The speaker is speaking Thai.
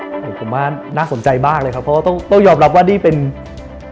เป็นเป็นสิ่งที่เราคิดสำคัญมากกว่าคุณพริกพริกล็อกจะเกิดการขัดกันหรือเปล่า